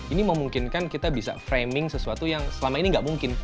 ini memungkinkan kita bisa framing sesuatu yang selama ini nggak mungkin